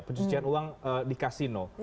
pencucian uang di kasino